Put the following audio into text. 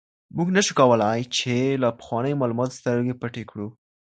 موږ نشو کولای چي له پخوانیو معلوماتو سترګې پټې کړو.